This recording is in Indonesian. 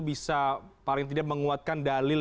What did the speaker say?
bisa paling tidak menguatkan dalil